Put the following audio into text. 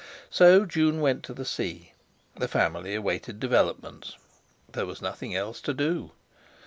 So June went to the sea. The family awaited developments; there was nothing else to do.